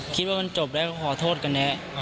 คิดว่ามันจบแล้วก็ขอโทษกันแน่